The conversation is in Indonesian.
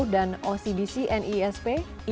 dan ocbc nisp lima belas